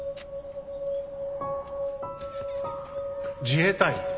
自衛隊？